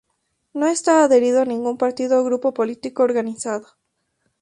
No está adherido a ningún partido o grupo político organizado.